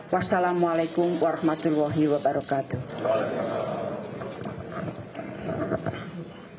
wassalamualaikum warahmatullahi wabarakatuh